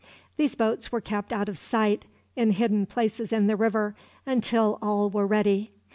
These boats were kept out of sight, in hidden places in the river, until all were ready.